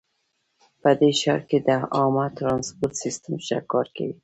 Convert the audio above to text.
په دې ښار کې د عامه ترانسپورټ سیسټم ښه کار کوي